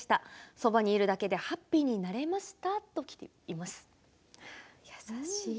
そばにいるだけでハッピーになれました。